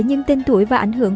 nhưng tên tuổi và ảnh hưởng